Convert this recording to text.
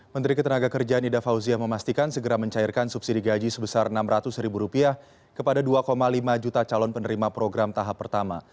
menteri ketenaga kerjaan ida fauzia memastikan segera mencairkan subsidi gaji sebesar rp enam ratus ribu rupiah kepada dua lima juta calon penerima program tahap pertama